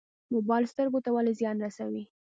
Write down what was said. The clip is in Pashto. موبایل سترګو ته ولې زیان رسوي؟